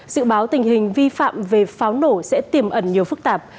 dự báo tình hình vi phạm về pháo nổ sẽ tiềm ẩn nhiều phức tạp